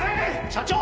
社長！